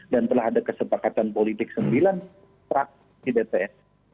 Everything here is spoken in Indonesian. dan telah ada kesepakatan politik sembilan prak di dps